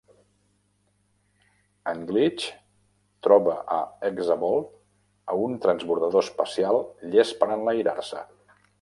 En Glitch troba a Exavolt a un transbordador espacial llest per enlairar-se.